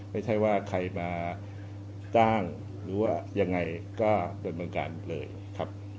ไม่ใช่ว่าใครมาจ้างหรือว่ายังไงก็ดำเนินการเลยครับ